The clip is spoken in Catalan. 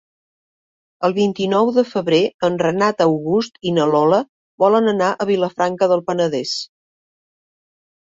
El vint-i-nou de febrer en Renat August i na Lola volen anar a Vilafranca del Penedès.